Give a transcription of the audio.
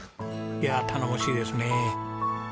いやあ頼もしいですね。